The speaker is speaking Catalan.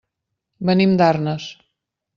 Venim d'Arnes.